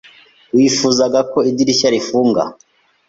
Wifuzaga ko idirishya rifunga?